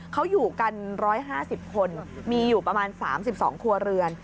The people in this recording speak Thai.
เขาอยู่กันร้อยห้าสิบคนมีอยู่ประมาณสามสิบสองครัวเรือน